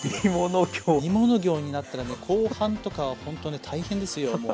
煮物行になったらね後半とかほんとね大変ですよ。